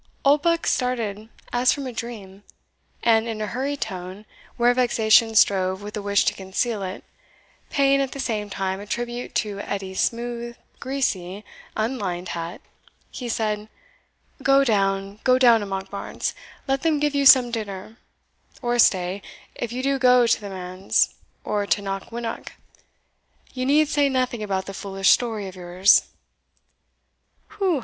Oldbuck started as from a dream; and, in a hurried tone, where vexation strove with a wish to conceal it, paying, at the same time, a tribute to Edie's smooth, greasy, unlined hat, he said, "Go down, go down to Monkbarns let them give you some dinner Or stay; if you do go to the manse, or to Knockwinnock, ye need say nothing about that foolish story of yours."